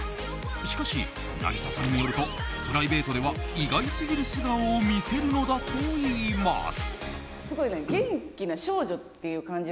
しかし、渚さんによるとプライベートでは意外すぎる素顔を見せるのだといいます。